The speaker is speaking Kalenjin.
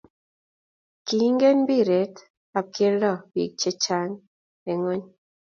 Kingen mpiret ab kelto biik che chang eng ng'ony.